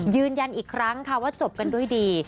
ยืนยันอีกครั้งค่ะว่าจบกันด้วยดี